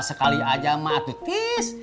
sekali aja mah tuh tis